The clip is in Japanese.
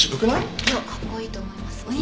いやかっこいいと思います。